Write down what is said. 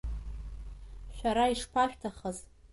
Шәара ишԥашәҭахыз?